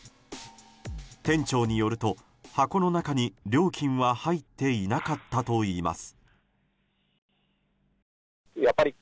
店長によると、箱の中に料金は入っていなかったといいます。